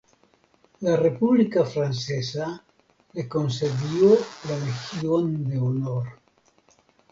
La República Francesa le concedió la Legión de Honor.